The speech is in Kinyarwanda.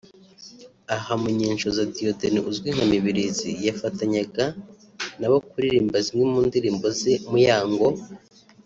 aha Munyenshoza Dieudonne uzwi nka Mibilizi yafatanyaga nabo kuririmba zimwe mu ndirimbo zeMuyango